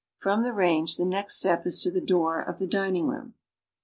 From the range, the next step is to the door of the dining room.